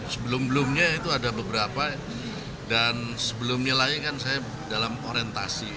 sebelum belumnya itu ada beberapa dan sebelumnya lain kan saya dalam orientasi